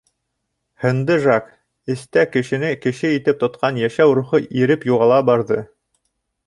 Һынды Жак, эстә кешене кеше итеп тотҡан йәшәү рухы иреп юғала барҙы.